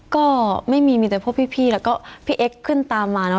ก็ไม่มีมีแต่พวกพี่แล้วก็พี่เอ็กซ์ขึ้นตามมาเนอ